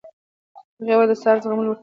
هغې وویل د ساړه زغملو وړتیا جینیټیکي ده.